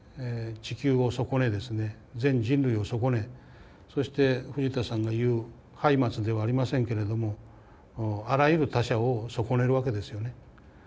地球を損ねですね全人類を損ねそして藤田さんが言うハイマツではありませんけれどもあらゆる他者を損ねるわけですよね。